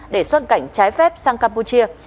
để xuất cảnh trái phép sang campuchia